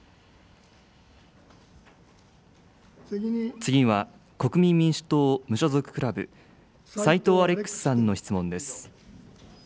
次は、国民民主党・無所属クラブ、斎藤アレックスさんの質問です。